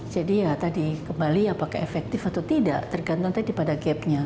jadi ya tadi kembali apakah efektif atau tidak tergantung tadi pada gapnya